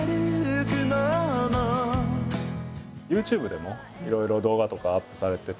ＹｏｕＴｕｂｅでもいろいろ動画とかをアップされてて。